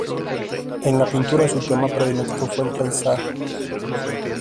En la pintura su tema predilecto fue el paisaje.